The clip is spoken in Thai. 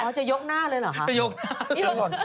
เขาจะยกหน้าเลยเหรอคะจะยกหน้า